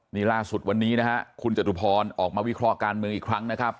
นี่ล่าสุดวันนี้นะฮะคุณจตุพรออกมาวิเคราะห์การเมืองอีกครั้งนะครับ